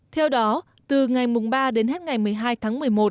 theo đó từ ngày ba đến hết ngày một mươi hai tháng một mươi một